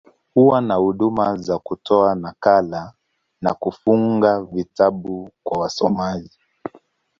Huwa na huduma za kutoa nakala, na kufunga vitabu kwa wasomaji.